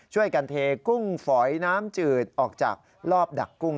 ช่วยกันเทกุ้งฝอยน้ำจืดออกจากรอบดักกุ้ง